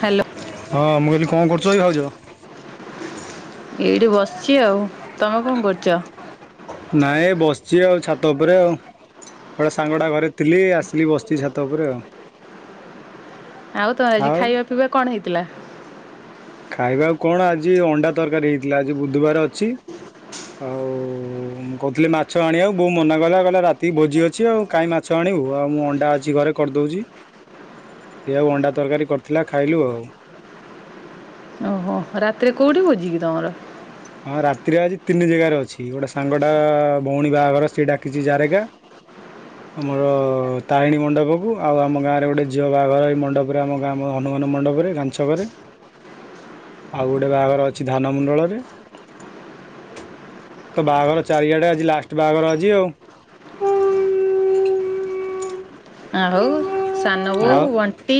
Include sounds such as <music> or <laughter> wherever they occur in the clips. Hello ହଁ ମୁଁ କହିଲି କଣ କରୁଚ କି ଭାଉଜ? ଏଠି ବସିଚି ଆଉ ତମେ କଣ କରୁଚ? ନାଇଁ ଏ ବସିଚି ଆଉ ଛାତ ଉପରେ ଆଉ। ହେରା ସାଙ୍ଗଟା ଘରେ ଥିଲି। ଆସିଲି ବସିଚି ଛାତ ଉପରେ ଆଉ। ଆଉ ତମର ଆଜି ଖାଇବା ପିଇବା କଣ ହେଇଥିଲା? ଖାଇବାକୁ କଣ ଆଜି ଅଣ୍ଡା ତରକାରୀ ହେଇଥିଲା ଆଜି ବୁଧବାର ଅଛି। ଆଉ କହୁଥିଲି ମାଛ ଆଣିବାକୁ ବୋଉ ମନା କଲା। କହିଲା ରାତି ଭୋଜି ଅଛି ଆଉ କାହିଁ ମାଛ ଆଣି ଆଣିବୁ ଆଉ ମୁଁ ଅଣ୍ଡା ଅଛି ଘରେ କରିଦଉଛି। <inaudible> ସେ ଆଉ ଅଣ୍ଡା ତରକାରୀ କରିଥିଲା ଖାଇଲୁ ଆଉ। ହଁ ରାତିରେ କୋଉଠି ଭୋଜିକି ତମର? ହଁ ରାତିରେ ଆଜି ତିନି ଜାଗାରେ ଅଛି। ଗୋଟେ ସାଙ୍ଗଟା ଭଉଣୀ ବାହାଘର ସେ ଡାକିଛି ଜାରେଗା ଆମର ତାରିଣୀ ମଣ୍ଡପକୁ, ଆଉ ଆମ ଗାଁରେ ଗୋଟେ ଝିଅ ବାହାଘର ଏଇ ମଣ୍ଡପରେ ଆମ ଗାଁ ମଣ୍ଡପରେ ଗାଞ୍ଚକରେ। ହ <inaudible> ଆଉ ଗୋଟେ ବାହାଘର ଅଛି ଧାନମଣ୍ଡଳରେ <inaudible> ତ ବାହାଘର ଚାରିଆଡେ ଆଜି ଲାଷ୍ଟ ବାହାଘର ଆଜି ଆଉ <inaudible> ଆଉ ସାନ ବୋଉ ଆଉ ବଣ୍ଟି?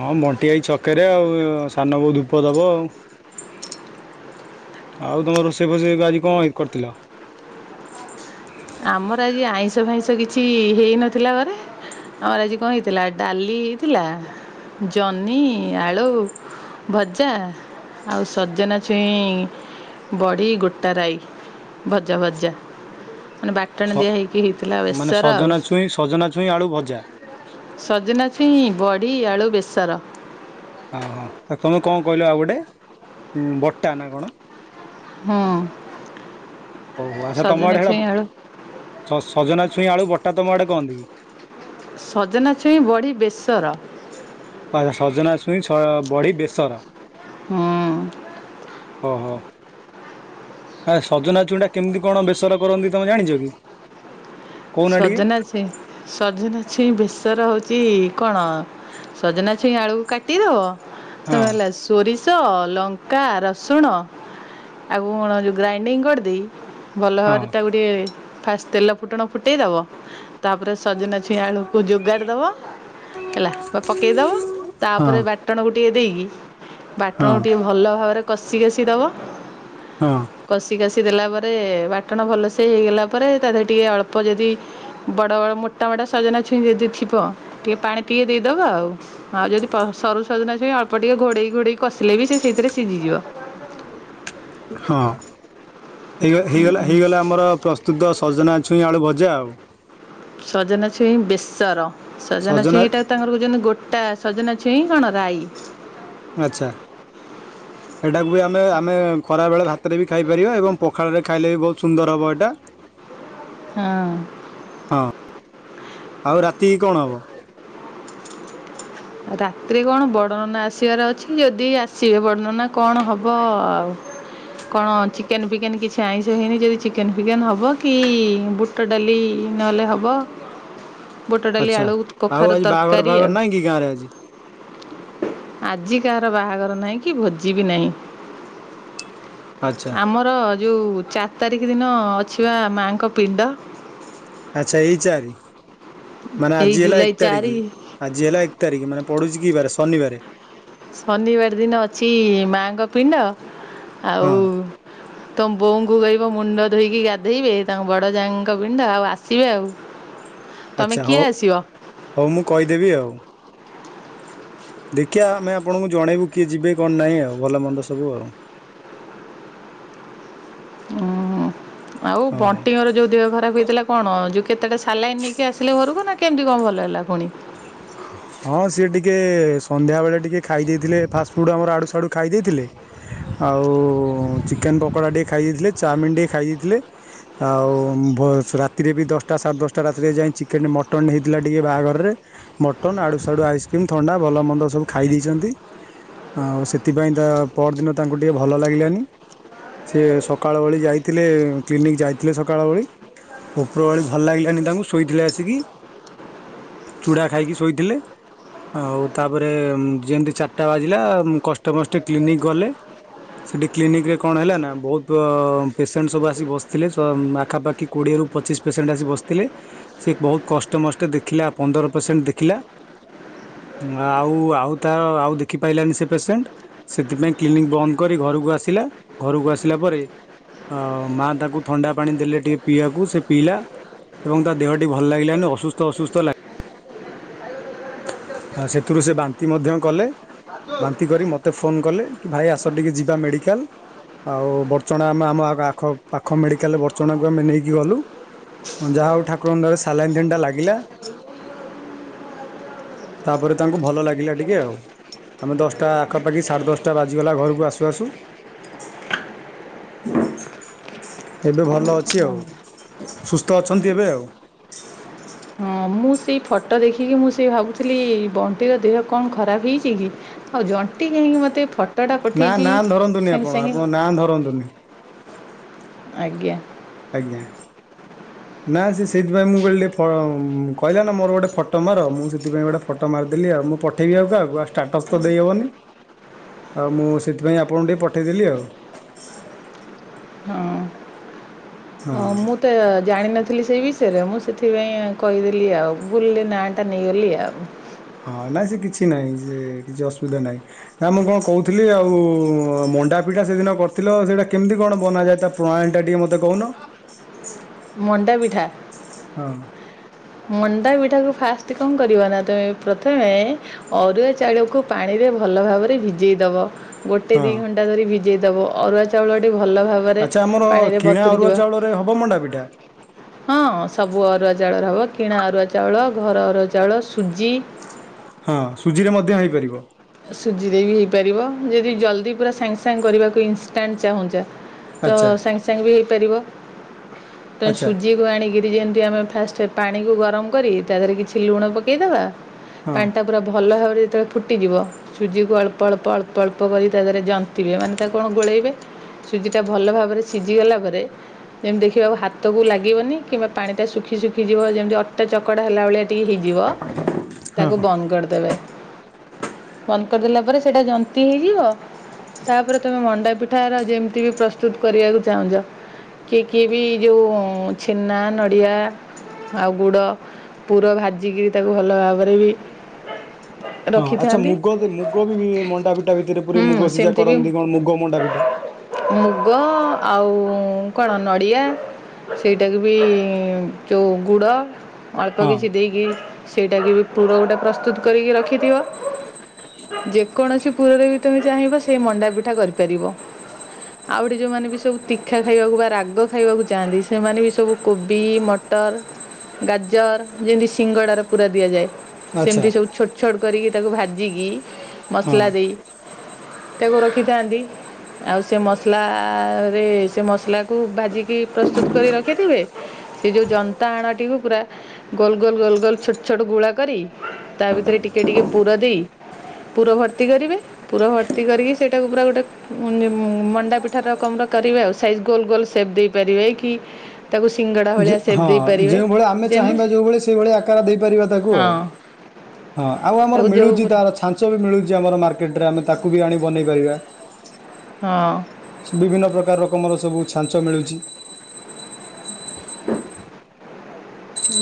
ହଁ ବଣ୍ଟି ହେଇ ଛକରେ ଆଉ ସାନ ଵୋଉ ଧୂପ ଦବ ଆଉ ଆଉ ତମର ରୋଷେଇ ଫୋଷେଇ ଆଜି କଣଇ କରିଥିଲ? ଆମର ଆଜି ଆଇଁଷ ଫାଇଁଷ କିଛି ହେଇନଥିଲା ଘରେ ଆମର ଆଜି କଣ ହେଇଥିଲା ଡାଲି ହେଇଥିଲା ଜହ୍ନି ଆଳୁ ଭଜା ଆଉ ସଜନା ଛୁଇଁ ବଡ଼ି ଗୋଟାରାଇ ଭଜା ଭଜା ମାନେ ସ ବାଟଣ ଦିଆ ହେଇକି ହେଇଥିଲା ଆଉ ମାନେ ବେସର ଆଉ ସଜନା ଛୁଇଁ ସଜନା ଛୁଇଁ ଆଳୁ ଭଜା ସଜନା ଛୁଇଁ ବଢ଼ି ଆଳୁ ବେସର ଓ ହଁ ତମେ କଣ କହିଲ ଆଉ ଗୋଟେ ବଟା ନା କଣ? ହଁ। ଓଉୋ ଆଚ୍ଛା ତମ ସଜନା ଆଡେ ସେଟା ଛୁଇଁ ଆଳୁ <unintelligible> ଶଶ ସଜନା ଛୁଇଁ ଆଳୁ ବଟା ତମ ଆଡ଼େ କହନ୍ତି କି? ସଜନା ଛୁଇଁ ବଢ଼ି ବେଶର ସଜନା ଛଇଁ ସ ବଢି ବେସର ହୁଁ। ହ ହୋ। ଆ ସଜନା ଛୁଇଁଟା କେମିତି କଣ ବେସର କରନ୍ତି ତମେ ଜାଣିଛ କି? କହୁନା ଟିକେ ସଜନା ଛୁଇଁ ସଜନା ଛୁଇଁ ବେଶ ର ହଉଛି କଣ ସଜନା ଛୁଇଁ ଆଳୁକୁ କାଟିଦବ ହଁ ତମେ ହେଲା ସୋରିଷ ସ ଲଙ୍କା ରସୁଣ ଆଉ କଣ ଗ୍ରାଇଣ୍ଡିଙ୍ଗ୍ କରିଦେଇ ଭଲ ହଁ। ଭାବରେ ତା ଗୋଟିଏ ଫାଷ୍ଟ ତେଲ ଫୁଟଣ ଫୁଟେଇଦବ। ତାପରେ ସଜନା ଛୁଇଁ ଆଳୁକୁ ଯୋଗାରଦବ ହେଲା ବା ପକେଇଦବ ହଁ ତାପରେ ବାଟଣ ଗୋ ଟିକେ ଦେଇକି ବାଟଣକୁ ହଁ ଟିକିଏ ଭଲ ଭାବରେ କଷି କଷିଦବ ହଁ କଷି କସିି ଦେଲା ପରେ ବାଟଣ ଭଲସେ ହେଇଗଲା ପରେ ତା ଦେହରେ ଟିକେ ଅଳ୍ପ ଅଳ୍ପ ଯଦି ବଡ଼ ବଡ଼ ମୋଟା ମୋଟା ସଜନା ଛୁଇଁ ଯଦି ଥିବ ଟିକେ ପାଣି ଟିକେ ଦେଇଦେବା ଆଉ ଆଉ ଯଦି ସରୁ ସଜନା ଛୁଇଁ ଅଳ୍ପ ଟିକେ ଘୋଡ଼େଇ ଘୋଡ଼େଇ କଷିଲେ ବି ସେ ସେଇଥିରେ ସିଝିଯିବ। ହଁ ହେଇଗଲେ ହେଇଗଲା ଆମର ପ୍ରସ୍ତୁତ ସଜନା ଛୁଇଁ ଆଳୁ ଭଜା ଯା ହଉ। ସଜନା ଛୁଇଁ ବେଶର ସଜନା ଛୁଇଁ ଟା ତାଙ୍କର ଯେମିତି ଗୋଟା ସଜନା ଛୁଇଁ କଣ ରାଈ ଆଚ୍ଛା ଏଟାକୁ ବି ଆମେ ଆମେ ଖରା ବେଳେ ଭା ତରେ ବି ଖାଇପାରିବ ଏବଂ ପଖାଳରେ ଖାଇଲେ ବି ବହୁତ ସୁନ୍ଦର ହେବ ଏଇଟା ହଁ ହଁ। ଆଉ ରାତିକି କଣ ହବ? ରାତିରେ କଣ ବଡନନା ଆସିବାର ଅଛି, ଯଦି ଆସିବେ ବଡନନା କଣ ହବ ଆଉ। କଣ ଚିକେନ୍ ଫିକେନ୍ କିଛି ଆଇଁଷ ହେଇନି, ଯଦି ଚିକେନ୍ ଫିକେନ୍ ହବ କି? ବୁଟ ଡାଲି ନହେଲେ ହବ ବୁଟ ଡାଲି, ଆଚ୍ଛା ଆଳୁ, ଆଉ କଖାରୁ ଆଜି ବାହାଘର ତରକାରୀ ଫାହାଘର ଆଉ। ନାହିଁ କି ଗାଁରେ ଆଜି? ଆଜି କାହାର ବାହାଘର ନାହିଁ କି ଭୋଜି ବି ନାହିଁ। ଆଚ୍ଛା ଆମର ଯୋଉ ଚାରି ତାରିଖ ଦିନ ଅଛି ବା ମାଆଙ୍କ ପିଣ୍ଡ। ଆଚ୍ଛା ଏଇ ଚାରି ମାନେ ଏଇ ଆଜି ହେଲା ଜୁଲାଇ ଏକ ତାରିଖ ଚାରି ଆଜି ହେଲା ଏକ ତାରିଖ ମାନେ ପଡୁଛି କି ବାରେ ଶନିବାରେ। ଶନିବାର ଦିନ ଅଛି ମାଙ୍କ ପିଣ୍ଡ, ଆଉ ହଁ ତୁମ ବୋଉଙ୍କୁ କହିବ ମୁଣ୍ଡ ଧୋଇକି ଗାଧେଇବେ, ତାଙ୍କ ବଡ଼ ଯାଙ୍କ ପିଣ୍ଡ ଆଉ ଆସିବେ ଆଉ। ତମେ ଆଛା କିଏ ହଉ ଆସିବ? ହଉ ମୁଁ କହିଦେବି ଆଉ। ଦେଖିଆ ଆମେ ଆପଣଙ୍କୁ ଜଣେଇବୁ, କିଏ ଯିବେ କଣ ନାହିଁ ଆଉ ଭଲ ମନ୍ଦ ସବୁ ଆଉ। <inaudible> ଓ ଆଉ ହଁ ବଣ୍ଟି ଘର ଯୋଉ ଦେହ ଖରାପ ହେଇଥିଲା, କଣ ଯୋଉ କେତେଟା ସାଲାଇନ୍ ନେଇକି ଆସିଲେ ଘରକୁ ନା, କେମିତି କଣ ଭଲ ହେଲା ପୁଣି? ହଁ ସିଏ ଟିକେ ସନ୍ଧ୍ୟାବେଳେ ଟିକିଏ ଖାଇ ଦେଇଥିଲେ, ଫାଷ୍ଟଫୁଡ଼୍ ଆମର ଆଡ଼ୁସଡ଼ୁ ଖାଇ ଦେଇଥିଲେ। ଆଉ ଚିକେନ ପକୋଡ଼ା ଟିକେ ଖାଇ ଦେଇଥିଲେ, ଚାଉମିିନ ଟିକେ ଖାଇ ଦେଇଥିଲେ। ଆଉ ରାତିରେ ବି ଦଶଟା ସାଢ଼େ ଦଶଟା ରାତିରେ ଯାଇ, ଚିକେନ ମଟନ୍ ହେଇଥିଲା ଟିକେ ବାହାଘରରେ ମଟନ୍ ଆଡ଼ୁସାଡ଼ୁ ଆଇସ୍କ୍ରିମ୍ ଥଣ୍ଡା ଭଲ ମନ୍ଦ ସବୁ ଖାଇ ଦେଇଛନ୍ତି। ଆଉ ସେଥିପାଇଁ ତା ପରଦିନ ତାଙ୍କୁ ଟିକେ ଭଲ ଲାଗିଲାନି। ସେ ସକାଳ ଓଳି ଯାଇଥିଲେ, କ୍ଲିନିକ ଯାଇଥିଲେ ସକାଳ ଓଳି ଉପର ଓଳି ଭଲ ଲାଗିଲାନି ତାଙ୍କୁ, ଶୋଇଥିଲେ ଆସିକି ଚୁଡ଼ା ଖାଇକି ଶୋଇଥିଲେ। ଆଉ ତାପରେ ଯେମତି ଚାରିଟା ବାଜିଲା କଷ୍ଟେମଷ୍ଟେ କ୍ଲିନିକ ଗଲେ। ସେଠି କ୍ଲିନିକରେ କଣ ହେଲା ନା, ବହୁତ ପେସେଣ୍ଟ ସବୁ ଆସି ବସିଥିଲେ । ପାଖାପାଖି କୋଡିଏ ରୁ ପଚିଶି ପେସେଣ୍ଟ ଆସି ବସିଥିଲେ, ସେ ବହୁତ କଷ୍ଟେ ମଷ୍ଟେ ଦେଖିଲେ ଆମ ପନ୍ଦର ପେସେଣ୍ଟ ଦେଖିଲା। ହଁ <unintelligible> ଆଉ ଆଉ ତା ଆଉ ଦେଖିପାରଲାନି ସେ ପେସେଣ୍ଟ, ସେଥିପାଇଁ କ୍ଲିନିକ ବନ୍ଦ କରି ଘରକୁ ଆସି ଘରକୁ ଆସିଲା ପରେ ଆଉ ମା ତାଙ୍କୁ ଥଣ୍ଡା ପାଣି ଦେଲେ ଟିକେ ପିଇବାକୁ ସେ ପିଇଲା। ଏବଂ ତା ଦେହ ଟି ଭଲ ଲାଗିଲାନି, ଅସୁସ୍ଥ ଅସୁସ୍ଥ ଲାଗି ଆଉ ସେଥିରୁ ସେ ବାନ୍ତି ମଧ୍ୟ କଲେ। ବାନ୍ତି କରି ମୋତେ ଫୋନ କଲେ, କି ଭାଇ ଆସ ଟିକେ ଯିବା ମେଡିକାଲ। ଆଉ ବର୍ଚଣା ଆମ ଆମ ଆଖ ପାଖ ମେଡିକାଲରେ ବର୍ଚଣାକୁ ଆମେ ନେଇକି ଗଲୁ। ଯାହା ହଉ ଠାକୁରଙ୍କ ଦୟାରୁ ସାଲାଇନ ତିନିଟା ଲାଗିଲା। <inaudible> ତାପରେ ତାଙ୍କୁ ଭଲ ଲାଗିଲା ଟିକେ ଆଉ। ଆମେ ଦଶଟା ଆଖାପାଖି ସାଢ଼େ ଦଶଟା ବାଜିଗଲା ଘରକୁ ଆସୁ ଆସୁ। <inaudible> ଏବେ ଭଲ ଅଛି ଆଉ, ସୁସ୍ଥ ଅଛନ୍ତି ଏବେ ଆଉ। ହୁଁ। ମୁଁ ସେଇ ଫଟୋ ଦେଖିକି ମୁଁ ସେ ଭାବୁଥିଲି। ବଣ୍ଟିର ଦେହ କଣ ଖରାପ ହେଇଛି କି? ଆଉ ଜ ଣ୍ଟି ମୋତେ କାହିଁକି ଏ ଫଟୋଟା ନା ପଠେଇଛି ନା ଧରନ୍ତୁନି ସାଙ୍ଗେ ଆପଣ ସାଙ୍ଗେ। ଆପଣ ନା ଧରନ୍ତୁନି ଆଜ୍ଞା। ଆଜ୍ଞା। ନା ସେ ସେଇଥିପାଇଁ ମୁଁ କହିଲି ଟିକେ ଫ କହିଲା ନା ମୋର ଗୋଟେ ଫଟୋ ମାର, ମୁଁ ସେଥିପାଇଁ ଗୋଟେ ଫଟୋ ମାର- ଦେଲି ଆଉ, ମୁଁ ପଠେଇବି ଆଉ କହାକୁଉ ଷ୍ଟାଟସ ତ ଦେଇହବନି। ଆଉ ମୁଁ ସେଥିପାଇଁ ଆପଣଙ୍କୁ ଟିକେ ପଠେଇଦେଲି ଆଉ। ହ ହଁ। ମୁଁ ତ ଜାଣିନ ଥିଲି ସେଇ ବିଷୟରେ ମୁଁ ସେଥିପାଇଁ କହିଦେଲି ଆଉ ଭୁଲରେ ନାଁ ଟା ନେଇଗଲି ଆଉ। ହଁ ନାଇଁ ସେ କିଛି ନାହିଁ ସେ କିଛି ଅସୁବିଧା ନାହିଁ ନା ମୁଁ କଣ କହୁଥିଲି ଆଉ ମଣ୍ଡା ପିଠା ସେଦିନ କରିଥିଲ ସେଇଟା କେମିତି କଣ ବନାଯାଏ ତା ପ୍ରଣାଳୀ ଟା ଟିକେ ମତେ କହୁନ। ମଣ୍ଡା ପିଠା ହଁ। ମଣ୍ଡା ପିଠାକୁ ଫାଷ୍ଟ କଣ କରିବ ନା ତମେ ପ୍ରଥମେ ଅରୁଆ ଚାଉଳକୁ ପାଣି ଭଲ ଭାବରେ ଭିଜେଇ ଦବ ଗୋଟେ ହଁ ଦି ଘଣ୍ଟା ଧରି ଭିଜେଇ ଦବ ଅରୁଆ ଚାଉଳ ଟେ ଭଲ ଭାବରେ ଆଚ୍ଛା ଆମର ପାଣିରେ କିଣା ବତୁରି ଅରୁଆ ଯିବ। ଚାଉଳରେ ହେବ ମଣ୍ଡା ପିଠା ହଁ ସବୁ ଅରୁଆ ଚାଉଳର ହବ କିଣା ଅରୁଆ ଚାଉଳ ଘର ଅରୁଆ ଚାଉଳ ସୁଜି। ହଁ ସୁଜିରେ ମଧ୍ୟ ହେଇପାରିବ ସୁଜିରେ ବି ହେଇପାରିବ ଯଦି ଜଲ୍ଦି ପୁରା ସାଙ୍ଗେ ସାଙ୍ଗ କରିବାକୁ ଇନଷ୍ଟାଣ୍ଟ ଚାହୁଁଛ। ତ ଆଚ୍ଛା ସାଙ୍ଗେ ସାଙ୍ଗେ ବି ହେଇପାରିବ ତେଣ ଆଚ୍ଛା ସୁଜିକୁ ଆଣିକିରି ଯେମତି ଆମେ ଫାଷ୍ଟ ସେ ପାଣିକୁ ଗରମ କରି ତା ଦେହରେ କିଛି ଲୁଣ ପକାଇଦେବା ହଁ ପାଣିଟା ପୁରା ଭଲ ଭାବରେ ସେତେବେଳେ ଫୁଟିଯିବ ସୁଜିକୁ ଅଳ୍ପ ଅଳ୍ପ ଅଳ୍ପ ଅଳ୍ପ କରି ତା ଦେହରେ ଯନ୍ତିବେ ମାନେ ତାକୁ କଣ ଗୋଳେଇବେ ସୁଜିଟା ଭଲ ଭାବରେ ସିଝିଗଲା ପରେ ଯେମିତି ଦେଖିବାକୁ ହାତକୁ ଲାଗିବନି କିମ୍ବା ପାଣି ଟା ଶୁଖି ଶୁଖିଯିବ ଯେମିତି ଅଟା ଚକଟା ହେଲା ଭଳିଆ ଟି ହେଇଯିବ ହଁ ତାକୁ ବନ୍ଦ କରିଦେବେ। ବନ୍ଦ କରିଦେଲା ପରେ ସେଇଟା ଜନ୍ତିି ହେଇଯିବ। ତାପରେ ତମେ ମଣ୍ଡା ପିଠା ର ଯେମିତି କି ପ୍ରସ୍ତୁତ କରିବାକୁ ଚାହୁଁଛ କିଏ କିଏ ବି ଯୋଉ ଛେନା ନଡ଼ିଆ ଆଉ ଗୁଡ଼ ପୁର ଭାଜିକିରି ତାକୁ ଭଲ ଭାବରେ ବି ହଁ ଆଚ୍ଛା ରଖିଥାନ୍ତି। ମୁଗ ମୁଗ ବି ମଣ୍ଡା ପିଠା ଭିତରେ ପୁରୀ ହୁଁ ମୁଗ ସିଝା ସେମିତି ବି କରନ୍ତି କଣ ମୁଗ ମଣ୍ଡାପିଠା। ମୁଗ ଆଉ କଣ ନଡ଼ିଆ। ସେଇଟାକୁ ବି ଯଉ ଗୁଡ ଅଳ୍ପ ହଁ କିଛି ଦେଇକି ସେଇଟାକି ବି ପୁର ଗୋଟେ ପ୍ରସ୍ତୁତ କରିକି ରଖିଥିବ। ଯେକୌଣସି ପୁରରେ ବି ତମେ ଚାହିଁବ ସେ ମଣ୍ଡା ପିଠା କରିପାରିବ। ଆଉ ଗୁଟେ ଯୋଉମାନେ ବି ସବୁ ତୀଖା ଖାଇବାକୁ ବା ରାଗ ଖାଇବାକୁ ଚାହାନ୍ତି ସେମାନେ ବି ସବୁ କୋବି ମ ମଟର ଗାଜର ଯେମିତି ସିଙ୍ଗଡ଼ାରେ ପୁର ଦିଆଯାଏ। ଆଚ୍ଛା ସେମିତି ସବୁ ଛୋଟ ଛୋଟ କରିକି ତାକୁ ଭାଜିକି ମସଲା ଦେଇ ହଁ ତାକୁ ରଖିଥାନ୍ତି। ଆଉ ସେ ମସଲାରେ ସେ ମସଲାକୁ ଭାଜିକି ପ୍ରସ୍ତୁତ କରି ରଖିଥିବେ ସେ ଯୋଉ ଜନ୍ତା ଆଣଟିକୁ ପୁରା ଗୋଲ ଗୋଲ ଗୋଲ ଗୋଲ ଛୋଟ ଛୋଟ ଗୁଳା କରି ତା ଭିତରେ ଟିକେ ଟିକେ ପୁର ଦେଇ ପୁର ଭର୍ତ୍ତି କରିବେ ପୁର ଭର୍ତ୍ତି କରିକି ସେଇଟାକୁ ପୁରା ଗୋଟେ ମଣ୍ଡା ପିଠା ରକମର କରି କରିବେ ସାଇଜ ଗୋଲ ଗୋଲ ସେପ୍ ଦେଇପାରିବେ କି ତାକୁ ସିଙ୍ଗଡ଼ା ଭଳିଆ ସେପ୍ ହଁ ଦେଇପାରିବେ ଯେଉଁ ଭଳି ଆମେ ଚାହିଁବା ଯେମିତି ଯୋଉ ଭଳି ସେଇଭଳି ଆକାର ଦେଇପାରିବା ତାକୁ ଆଉ। ହଁ ହଁ ଆଉ ଆମର ତାକୁ ଯେଉଁ ମିଳୁଛି ତା ଛା ଚ ମିଳୁଛି ଆମର ମାର୍କେଟରେ ଆମେ ତାକୁବି ଆଣି ବନେଇ ପାରିବା। ହଁ ବିଭିନ୍ନ ପ୍ରକାର ରକମର ସବୁ ଛାଞ୍ଚ ମିଳୁଚି।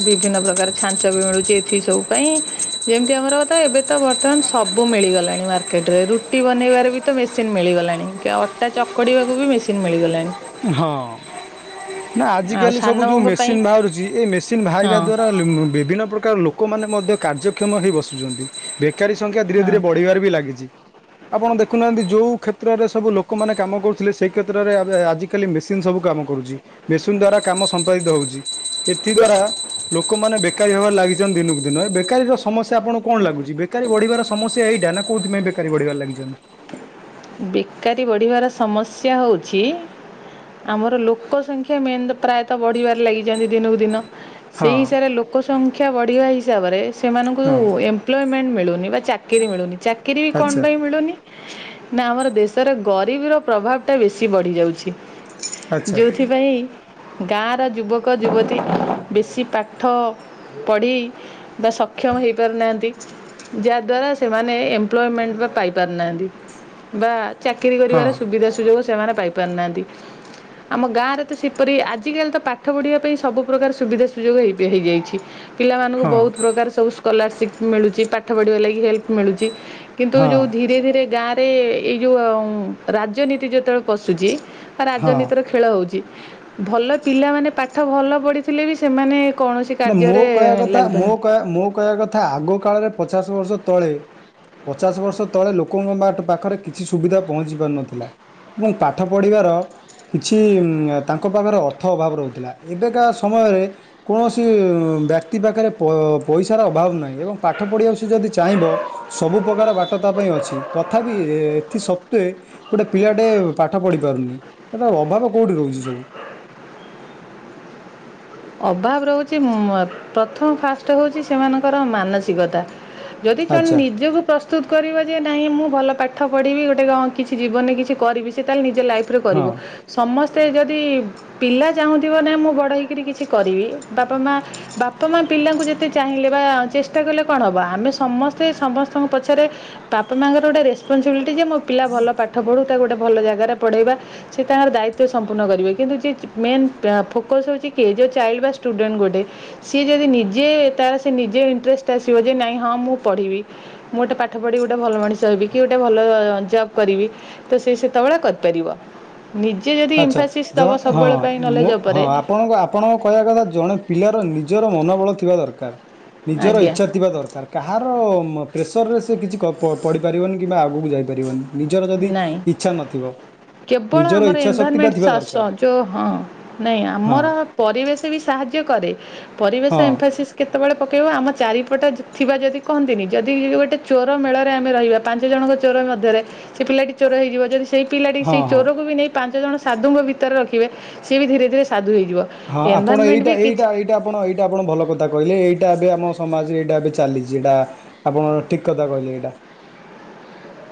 ବିଭିନ୍ନ ପ୍ରକାର ଛାଞ୍ଚ ବି ମିଳୁଛି ଏଥି ସବୁ ପାଇଁ ଯେମିତି ଆମର ତ ଏବେ ତ ବର୍ତ୍ତମାନ ସ ସବୁ ମିଳିଗଲାଣି ମାର୍କେଟରେ ରୁଟି ବନେଇବାରେ ବି ତ ମେସିନ ମିଳିଗଲାଣି ଅଟା ଚକଡ଼ିବାକୁ ବି ମେସିନ୍ ମିଳିଗଲାଣି। ହଁ। ନା ଆଉ ଆଜିକାଲି ସବୁ ଯେଉଁ ସାନବୋଉଙ୍କ ପାଇଁ ମେସିନ୍ ବାହାରୁଛି ଏ ମେସିନ୍ ହଁ ବାହାରିବା ଦ୍ୱରା ବିଭିନ୍ନ ପ୍ରକାର ଲୋ କମାନେ ମଧ୍ୟ କାର୍ଯ୍ୟକ୍ଷମ ହୋଇ ବସୁଛନ୍ତି ବେକାରୀ ସଂଖ୍ୟା ଧୀରେ ହଁ ଧୀରେ ବଢ଼ିବାରେ ବି ଲାଗିଛି। ଆପଣ ଦେଖୁନାହାନ୍ତି ଯୋଉ କ୍ଷେତ୍ରରେ ସବୁ ଲୋକମାନେ କାମ କରୁଥିଲେ ସେଇ କ୍ଷେତ୍ରରେ ଆବେ ଆଜି ଖାଲି ମେସିନ ସବୁ କାମ କରୁଚି ମେସିନ ଦ୍ଵାରା କାମ ସମ୍ପାଦିତ ହଉଚି ଏଥି ଦ୍ଵାରା ଲୋକମା ବେକାରୀ ହବାରେ ଲାଗିଛ ଦିନକୁ ଦିନ ବେକାରୀର ସମସ୍ୟା ଆପଣ କଣ ଲାଗୁଛି ବେକାରୀ ବଢିବାର ସମସ୍ୟା ଏଇଟା ନା କୋଉ ବେକାରୀ ବଢିବାରେ ଲାଗିଚନ୍ତି ବେକାରୀ ବଢ଼ିବାର ସମସ୍ୟା ହଉଛି ଆମର ଲୋକ ସଂଖ୍ୟା ମେନ୍ ତ ପ୍ରାୟତଃ ବଢିବାରେ ଲାଗିଛନ୍ତି ଦିନକୁ ଦିନ। ସେଇ ହଁ ହିସାବ ରେ ଲୋକ ସଂଖ୍ୟା ବଢିବା ହିସାବରେ ସେମାନଙ୍କୁ ହଁ ଏପ୍ଲମେଣ୍ଟ ମିଳୁନି। ଚାକିରି ମିଳୁନି ଚାକିରି ବି କଣ ଆଚ୍ଛା ପାଇଁ ମିଳୁନି ନା ଆମର ଦେଶରେ ଗରିବର ପ୍ରଭାବଟା ବେଶୀ ବଢ଼ିଯାଉଛି। ଆଚ୍ଛା ଯଉଥିପାଇଁ ଗାଁର ଯୁବକ ଯୁବତୀ ବେଶୀ ପାଠ ପଢ଼ି ବା ସକ୍ଷମ ହେଇପାରୁନାହାନ୍ତି। ଯାହା ଦ୍ୱାରା ସେମାନେ ଏମ୍ପ୍ଲୟମେଣ୍ଟ ବା ପାଇ ପାରୁନାହାନ୍ତି । ବା ଚାକିରୀ ହଁ କରିବାର ସୁବିଧା ସୁଯୋଗ ସେମାନେ ପାଇ ପାରୁନାହାନ୍ତି । ଆମ ଗାଁରେ ତ ସେପରି ଆଜିକାଲି ତ ପାଠ ପଢିବା ପାଇଁ ସବୁ ପ୍ରକାର ସୁବିଧା ସୁଯୋଗ ହେଇ-ହେଇଯାଇଛି । ପିଲାମାନଙ୍କୁ ହଁ ବହୁତ ପ୍ରକାର ସବୁ ସ୍କୋଲାରସିପ୍ ମିଳୁଛି ପାଠ ପଢ଼ିବା ଲାଗି ହେଲ୍ପ ମିଳୁଛି କିନ୍ତୁ ଯୋଉ ହଁ। ଧୀରେ ଧୀରେ ଗାଁ ସେ ଏଇ ଯୋଉ ରାଜନୀତି ଯେତେବେଳେ ପଶୁଛି ବା ହଁ ରାଜନୀତିର ଖେଳ ହଉଛି । ଭଲ ପିଲାମାନେ ପାଠ ଭଲ ପଢିଥିଲେ ବି ସେମାନେ କୌଣସି ନା ମୋ କାର୍ଯ୍ୟରେ କହିଆ କଥା ମୋ ଲାଗିପାରୁନାହାନ୍ତି। କହିଆ ମୋ କହିଆ କଥା ଆଗ କାଳରେ ପଚାଶ ବର୍ଷ ତଳେ ପଚାଶ ବର୍ଷ ତଳେ ଲୋକଙ୍କ ମାଟ୍ ପାଖରେ କିଛି ସୁବିଧା ପହଞ୍ଚି ପାରୁନଥିଲା । ଏବଂ ପାଠ ପଢ଼ିବାର କିଛି ଉଁ ତାଙ୍କ ପାଖରେ ଅର୍ଥ ଅଭାବ ରହୁଥିଲା ଏବେ କା ସମୟରେ କୌଣସି ବ୍ୟାକ୍ତି ପାଖରେ ପ-ପଇସାର ଅଭାବ ନାହିଁ ଏବଂ ପାଠ ପଢିବା ସେ ଯଦି ଚାହିଁବ ସବୁ ବୁ ପ୍ରକାର ବାଟ ତା ପାଇଁ ଅଛି ତଥାପି ଏଥି ସତ୍ତ୍ୱେ ଗୋଟିଏ ପିଲାଟେ ପାଠ ପଢ଼ି ପାରୁନି । ଟା ଅଭାବ କୋଉଠି ରହୁଛି ସବୁ? <inaudible> ଅଭାବ ରହୁଛି ହୁମ୍ ପ୍ରଥମ ଫାଷ୍ଟ ହଉଛି ସେମାନଙ୍କର ମାନସିକତା । ଯଦି ଜଣେ ଆଚ୍ଛା ନିଜକୁ ପ୍ରସ୍ତୁତ କରିବ ଯେ ନାହିଁ ମୁଁ ଭଲ ପାଠ ପଢିବି ଗୋଟେ ଗ କିଛି ଜୀବନ୍ ରେ କିଛି କରିବି ସେ ତାହେଲେ ନି ଯଉ ଲାଇଫରେ କରିବ ହଁ। ସମସ୍ତେ ଯଦି ପିଲା ଚାହୁଁଥିବ ନା ମୁଁ ବଡ଼ ହେଇକରି କିଛି କରିବି ବାପା ମା ବାପା ମା ପିଲାଙ୍କୁ ଯେତେ ଚାହିଁଲେ ବା ଚେଷ୍ଟା କଲେ କଣ ହେବ ଆମେ ସମ ସମସ୍ତେ ସମସ୍ତଙ୍କ ପଛରେ ବାପା ମାଆଙ୍କର ଗୋଟେ ରେସପନ୍ସିବିଲିଟି ଯେ ମୋ ପିଲା ଭଲ ପାଠ ପଢ଼ୁ । କୁ ଗୋଟେ ଭଲ ଜାଗାରେ ପଢ଼େଇବା ସେ ତାଙ୍କର ଦାୟିତ୍ୱ ସମ୍ପୁନ କରିବେ କିନ୍ତୁ ଯେ ମେନ୍ ଫୋକସ ହଉଛି କିଏ ଯେ ଚାଇଲ୍ଡ ବା ଷ୍ଟୁଡେଣ୍ଟ ଗୋଟେ ସିଏ ଯଦି ନିଜେ ତାର ସେ ନିଜେ ଇଣ୍ଟରେଷ୍ଟ ଆସିବ ଯେ ନାଇଁ ହଁ ମୁଁ ପ ଢିବି ମୁଁ ଗୋଟେ ପାଠ ପଢିକି ଗୋଟେ ଭଲ ମଣିଷ ହେବି କି ଗୋଟେ ଭଲ ଜବ କରିବି ତ ସେ ସେତେବେଳେ କରିପାରିବ । ଆଚ୍ଛା ପାଇଁ ନଲେଜ ଉପରେ ଜ-ହଁ-ମୁଁ-ହଁ ଆପଣଙ୍କ ଆପଣଙ୍କ କହିବା କଥା ଜଣେ ପିଲାର ନିଜର ମନୋବଳ ଥିବା ଦରକାର । ନିଜର ଆଜ୍ଞା ଇଚ୍ଛା ଥିବା ଦରକାର କାହାର ମ ପ୍ରେସରରେ ସେ କିଛି ପ-ପଢିପାରିବନି କିମ୍ବା ଆଗକୁ ଯାଇପାରିବନି । ନିଜର ଯଦି ନାଇଁ ଇଚ୍ଛା ନଥିବ କେବଳ ନିଜର ଇ <unintelligible> ଯେଉଁ ହଁ ନାଇଁ ହଁ ଆମର ପରିବେଶ ବି ସାହାଯ୍ୟ କରେ । ପରିବେଶ ହଁ ଏମ୍ଫାସିସ୍ କେତେ କେତେବେଳେ ପକେଇବ ଆମ ଚାରିପଟେ ଥିବା ଯଦି କହନ୍ତିନି ଯଦି ଗୋଟେ ଚୋର ମେଳରେ ଆମେ ରହିବା ପାଞ୍ଚ ଜଣଙ୍କ ଚୋର ମଧ୍ୟରେ ସେ ପିଲାଟି ଚୋର ହେଇଯିବ ଯଦି ସେଇ ପିଲାଟି ହଁ ସେଇ ହଁ ଚୋରକୁ ବି ନେଇ ପାଞ୍ଚ ଜଣ ସାଧୁଙ୍କ ଭିତରେ ରଖିବେ ସିଏ ବି ଧୀରେ ଧୀରେ ସାଧୁ ହେଇ ହଁ ଆପଣ ଏଇଟା ଏଇଟା ଏଇଟା ଆପଣ ଏଇଟା ଆପଣ ଭଲ କରି କହିଲେ ଏଇଟା ଏବେ ଆମ ସମାଜରେ ଏଇଟା ଏବେ ଚାଲିଛି ଏଇଟା ଆପଣ ଠିକ୍ କଥା କହିଲେ ଏଇଟା । <inaudible>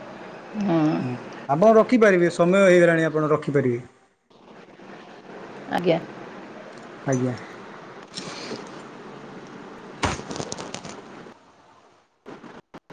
ହଁ ହୁଁ ଆପଣ ରଖିପାରିବେ ସମୟ ହେଇଗଲାଣି ଆପଣ ରଖିପାରିବେ । ଆଜ୍ଞା । ଆଜ୍ଞା । <inaudible>